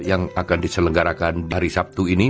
yang akan diselenggarakan hari sabtu ini